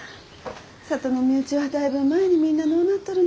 里の身内はだいぶ前にみんな亡うなっとるのに。